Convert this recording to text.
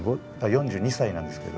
４２歳なんですけど。